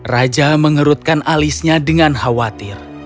raja mengerutkan alisnya dengan khawatir